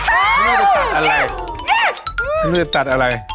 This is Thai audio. ไม่ต้องไปตัดอะไร